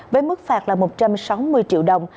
với mức phạt là một trăm sáu mươi triệu đồng